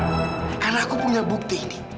karena aku punya bukti indi